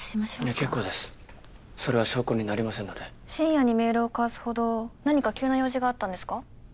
結構ですそれは証拠になりませんので深夜にメールを交わすほど何か急な用事があったんですか？